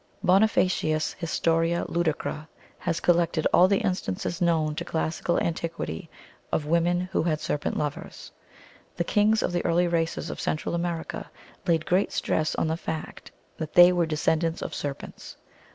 " Bonifacius, Historia Ludicra, has collected all the instances known to classical antiquity of women who had serpent lovers. The kings of the early races of Central America laid great stress on the fact that they were descendants of serpents.